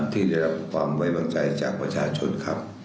ที่ได้รับความไว้วางใจจากประชาชนครับ